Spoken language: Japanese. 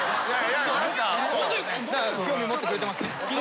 興味持ってくれてます？